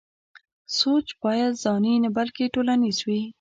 سوچ بايد ځاني نه بلکې ټولنيز وي.